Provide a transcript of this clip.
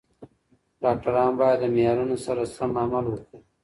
ډاکټران باید د معیارونو سره سم عمل وکړي.